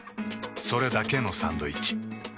それだけのサンドイッチ。